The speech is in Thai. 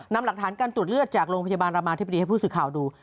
นำหลักฐานการตรวจเลือดจากโรงพยาบาลรามาธิบดีให้ผู้สื่อข่าวดู